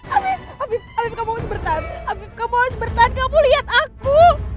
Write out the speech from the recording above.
afif afif afif kamu harus bertahan afif kamu harus bertahan kamu lihat aku